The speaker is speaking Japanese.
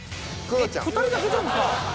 ２人だけじゃんか。